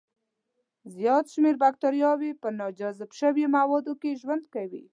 زیات شمېر بکتریاوي په ناجذب شوو موادو کې ژوند کوي.